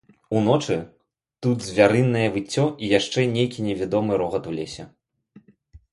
Уночы тут звярынае выццё і яшчэ нейкі невядомы рогат у лесе.